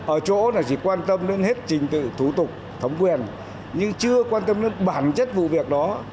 ở chỗ là chỉ quan tâm đến hết trình tự thủ tục thẩm quyền nhưng chưa quan tâm đến bản chất vụ việc đó